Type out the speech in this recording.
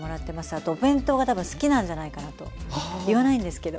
あとお弁当が多分好きなんじゃないかなと言わないんですけど。